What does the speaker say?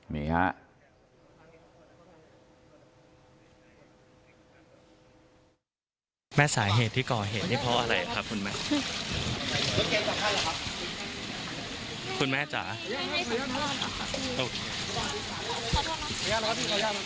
มีครับ